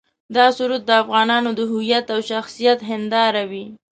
دا سرود د افغانانو د هویت او شخصیت هنداره وي.